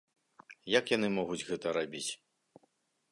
Як яны могуць гэта рабіць?